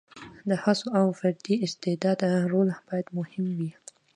د هڅو او فردي استعداد رول باید مهم وي.